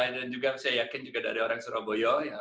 dan saya yakin juga ada orang surabaya